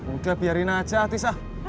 udah biarin aja atisa